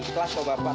ya ikhlas kok bapak